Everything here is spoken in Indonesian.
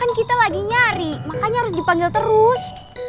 kita lagi nyari makanya harus dipanggil terus